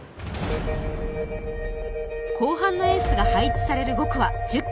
後半のエースが配置される５区は１０ｋｍ。